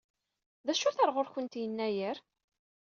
D acu-t ɣer ɣur-kent Yennayer?